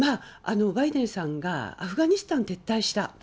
バイデンさんがアフガニスタン撤退した。